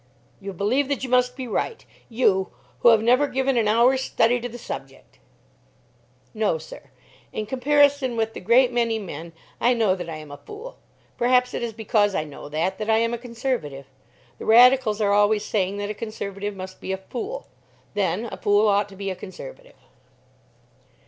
"You believe that you must be right, you, who have never given an hour's study to the subject!" "No, sir. In comparison with a great many men, I know that I am a fool. Perhaps it is because I know that, that I am a Conservative. The Radicals are always saying that a Conservative must be a fool. Then a fool ought to be a Conservative."